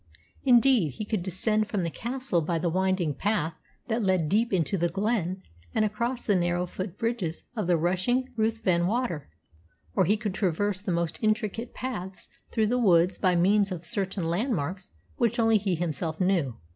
Indeed, he could descend from the castle by the winding path that led deep into the glen, and across the narrow foot bridges of the rushing Ruthven Water, or he could traverse the most intricate paths through the woods by means of certain landmarks which only he himself knew.